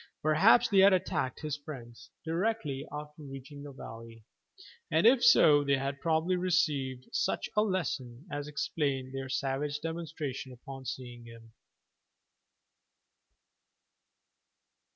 Perhaps they had attacked his friends directly after reaching the valley, and if so they had probably received such a lesson as explained their savage demonstration upon seeing him.